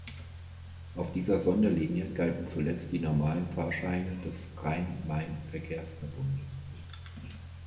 Auf dieser Sonderlinie galten zuletzt die normalen Fahrscheine des Rhein-Main-Verkehrsverbundes.